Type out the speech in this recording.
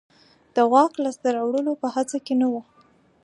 د واک لاسته راوړلو په هڅه کې نه و.